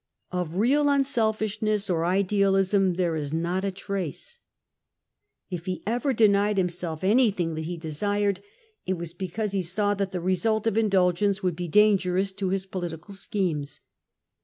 Of leal unselfishness or idealism there is not a trace ; if he C^SAB 292 ever denied himself anything that he desired, it was because he saw that the result of indulgence would he dan gerous to his political schemes.